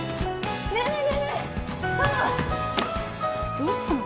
どうしたの？